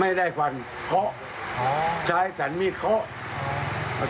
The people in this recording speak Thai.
ไม่ได้ฟันเคาะใช้สันมีดเคาะ